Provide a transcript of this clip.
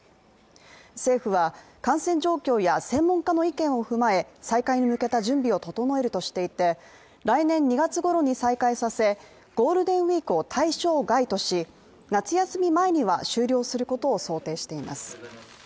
政府は感染状況や専門家の意見を踏まえ、再開に向けた準備を整えるとしていて、来年２月ごろに再開させ、ゴールデンウィークを対象外とし、夏休み前には終了することを想定しています。